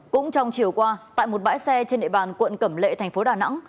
cũng trong chiều qua tại một bãi xe trên địa bàn quận cẩm lệ thành phố đà nẵng